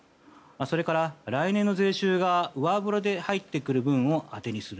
それから来年の税収が上振れで入ってくる分を当てにする。